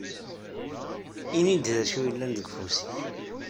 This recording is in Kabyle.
Ini-d d acu yellan deg ufus-ik.